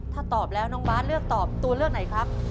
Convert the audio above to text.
ถ้าตอบแล้วน้องบาทเลือกตอบตัวเลือกไหนครับ